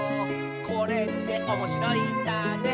「これっておもしろいんだね」